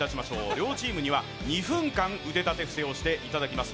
両チームには２分間腕立て伏せをしていただきます。